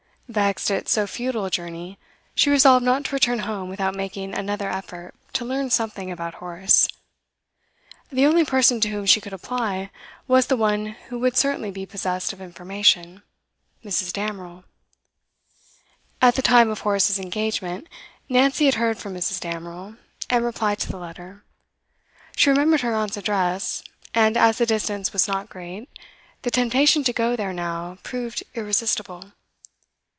Vexed at so futile a journey, she resolved not to return home without making another effort to learn something about Horace. The only person to whom she could apply was the one who would certainly be possessed of information, Mrs. Damerel. At the time of Horace's engagement, Nancy had heard from Mrs. Damerel, and replied to the letter; she remembered her aunt's address, and as the distance was not great, the temptation to go there now proved irresistible.